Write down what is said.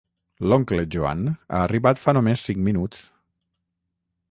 L'oncle Joan ha arribat fa només cinc minuts.